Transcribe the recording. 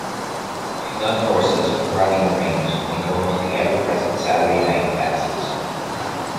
She loved horses, riding the range, and going to the ever-present Saturday night dances.